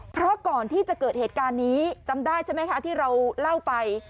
เพราะก่อนที่จะเกิดเหตุการณ์นี้จำได้ใช่ไหมคะที่เราเล่าไป